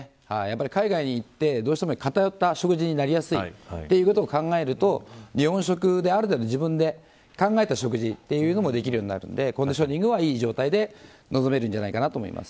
海外に行って、どうしても偏った食事になりやすいことを考えると日本食で、ある程度自分で考えた食事というのもできるようになるのでコンディショニングはいい状態で臨めると思います。